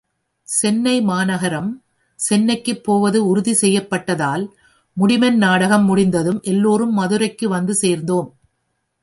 சென்னை மாநகரம் சென்னைக்குப் போவது உறுதி செய்யப்பட்டதால் முடிமன் நாடகம் முடிந்ததும் எல்லோரும் மதுரைக்கு வந்து சேர்ந்தோம்.